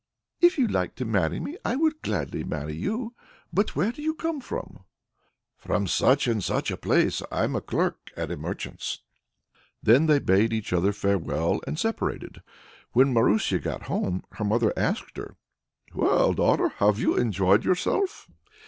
"If you like to marry me, I will gladly marry you. But where do you come from?" "From such and such a place. I'm clerk at a merchant's." Then they bade each other farewell and separated. When Marusia got home, her mother asked her: "Well, daughter! have you enjoyed yourself?"